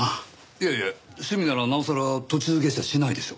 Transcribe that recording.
いやいや趣味ならなおさら途中下車しないでしょ。